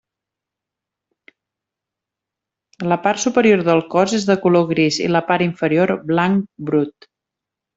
La part superior del cos és de color gris i la part inferior blanc brut.